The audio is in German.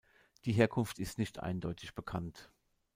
Die Herkunft ist nicht eindeutig bekannt.